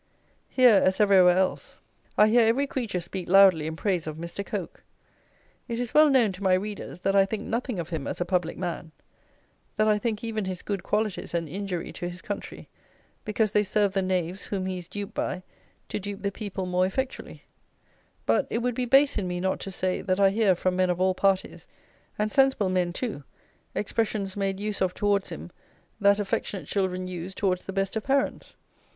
Here, as everywhere else, I hear every creature speak loudly in praise of Mr. Coke. It is well known to my readers, that I think nothing of him as a public man; that I think even his good qualities an injury to his country, because they serve the knaves whom he is duped by to dupe the people more effectually; but, it would be base in me not to say, that I hear, from men of all parties, and sensible men too, expressions made use of towards him that affectionate children use towards the best of parents.